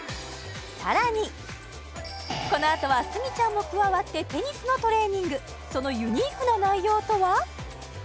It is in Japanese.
さらにこのあとはスギちゃんも加わってテニスのトレーニングそのユニークな内容とは？